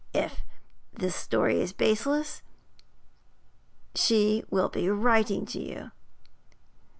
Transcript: If this story is baseless, she will be writing to you.'